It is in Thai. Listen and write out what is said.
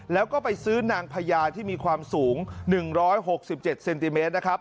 แล้วก็ไปซื้อนางพญาที่มีความสูง๑๖๗เซนติเมตรนะครับ